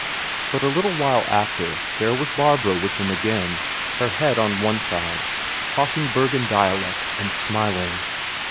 But a little while after there was Barbro with him again, her head on one side, talking Bergen dialect and smiling.